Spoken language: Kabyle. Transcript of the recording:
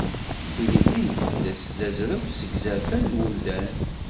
Tilelli n teflest d azref seg izerfan n wemdan.